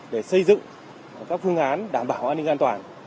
để xây dựng các phương án đảm bảo an ninh an toàn